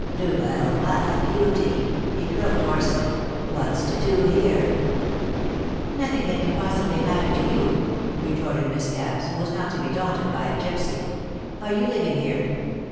"Duvel! My beauty," he croaked, hoarsely. "What's to do here?" "Nothing that can possibly matter to you," retorted Miss Cass, who was not to be daunted by a gypsy. "Are you living here?"